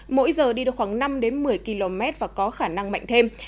mỗi giờ đi được khoảng năm một mươi km và có khả năng mạnh thêm